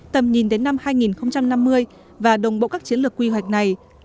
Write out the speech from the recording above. tầm nhìn đến năm hai nghìn năm mươi và đồng bộ các chiến lược quy hoạch này